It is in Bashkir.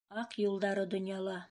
Аҡ юлдары донъяла!